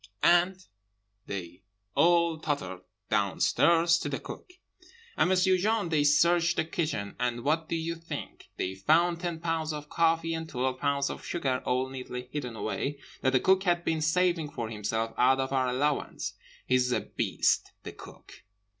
'—And they all tottered downstairs to The Cook; and M'sieu Jean, they searched the kitchen; and what do you think? They found ten pounds of coffee and twelve pounds of sugar all neatly hidden away, that The Cook had been saving for himself out of our allowance. He's a beast, the Cook!"